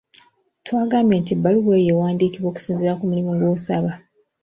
Twagambye nti ebbaluwa eyo ewandiikibwa okusinziira ku mulimu gw'osaba.